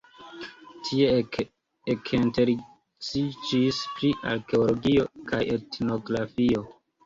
Tie ekinteresiĝis pri arkeologio kaj etnografio.